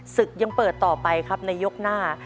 ศึกยังเปิดต่อไปครับในยกหน้า